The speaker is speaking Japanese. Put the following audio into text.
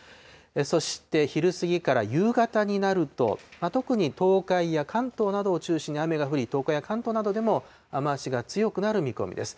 そして昼過ぎから夕方になると、特に東海や関東などを中心に雨が降り、東海や関東などでも、雨足が強くなる見込みです。